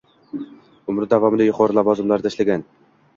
umri davomida yuqori lavozimlarda ishlagan.